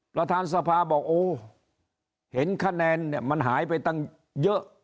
ประธานสภาบอกโอ้เห็นคะแนนมันหายไปเยอะ